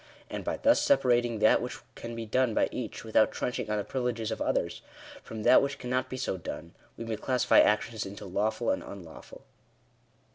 And by thus separating that which can be done by each without trench ing on the privileges of others, from that which cannot be so done, we may classify actions into lawful and unlawful.